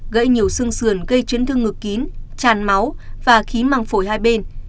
gây nhiều sương sườn gây chấn thương ngược kín chàn máu và khí măng phổi hai bên